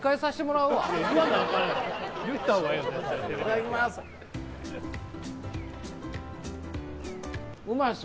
いただきます！